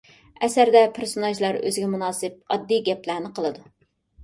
ئەسەردە پېرسوناژلار ئۆزىگە مۇناسىپ ئاددىي گەپلەرنى قىلىدۇ.